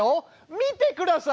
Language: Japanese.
見てください！